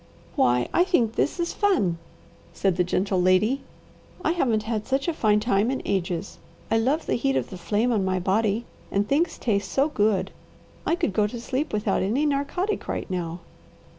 "Why I think this is fun," said the gentle lady. "I haven't had such a fine time in ages. I love the heat of the flame on my body and things taste so good. I could go to sleep without any narcotic, right now."